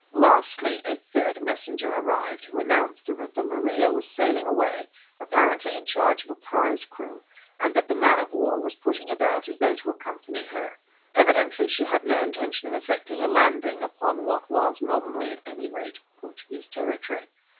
Lastly, a third messenger arrived, who announced that the Maria was sailing away, apparently in charge of a prize crew, and that the man of war was putting about as though to accompany her. Evidently she had no intention of effecting a landing upon what was, nominally at any rate, Portuguese territory.